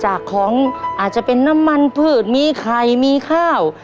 จากของอาจจะเป็นน้ำมันพืชมีไข่มีข้าว